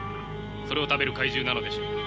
それを食べる怪獣なのでしょう。